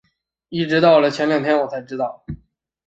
一直到了前两天我才知道